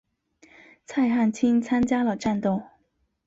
蔡汉卿参加了战斗。